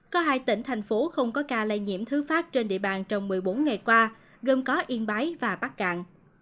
có hai tỉnh thành phố không có ca lây nhiễm thứ phát trên địa bàn trong một mươi bốn ngày qua gồm có yên bái và bắc cạn